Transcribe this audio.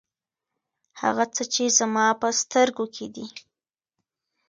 هغه څه چې زما په سترګو کې دي.